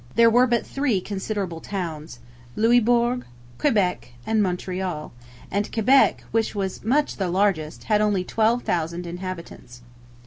There were but three considerable towns Louisbourg, Quebec, and Montreal and Quebec, which was much the largest, had only twelve thousand inhabitants.